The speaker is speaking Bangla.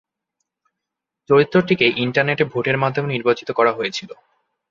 চরিত্রটিকে ইন্টারনেটে ভোটের মাধ্যমে নির্বাচিত করা হয়েছিল।